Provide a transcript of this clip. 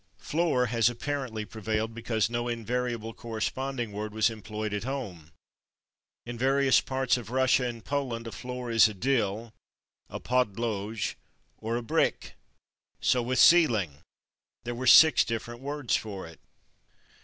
/Floor/ has apparently prevailed because no invariable corresponding word was employed at home: in various parts of Russia and Poland a floor is a /dill/, a /podlogé/, or a /bricke/. So with /ceiling/. There were six different words for it.